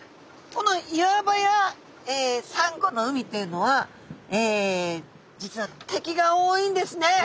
この岩場やサンゴの海というのは実は敵が多いんですね。